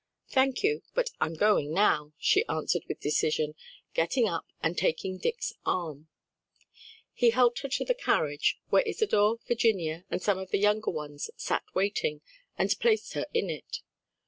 "Thank you, but I'm going now," she answered with decision, getting up and taking Dick's arm. He helped her to the carriage, where Isadore, Virginia, and some of the younger ones sat waiting, and placed her in it.